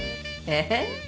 えっ？